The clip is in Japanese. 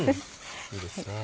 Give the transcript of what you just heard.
いいですね。